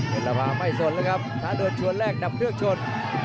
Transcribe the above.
เป็นละภาไม่สนแล้วครับท้าเดินชวนแรกดับเครื่องชน